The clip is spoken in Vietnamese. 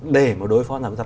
để đối phó hàng rào kỹ thuật